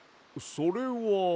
それは。